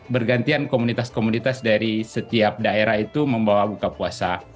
bergantian komunitas komunitas dari setiap daerah itu membawa buka puasa